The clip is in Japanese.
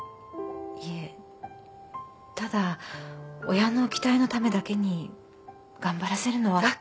いえただ親の期待のためだけに頑張らせるのは。